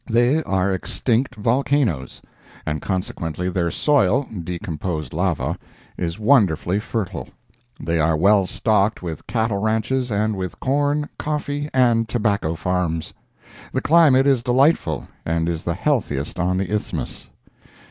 They are extinct volcanoes, and consequently their soil (decomposed lava) is wonderfully fertile. They are well stocked with cattle ranches, and with corn, coffee and tobacco farms. The climate is delightful, and is the healthiest on the Isthmus.